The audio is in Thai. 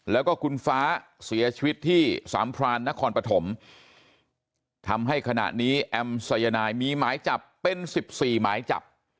แล้วก็คุณฟ้าเสียชีวิตที่สามพรานนครปฐมทำให้ขณะนี้แอมสายนายมีหมายจับเป็น๑๔หมายจับ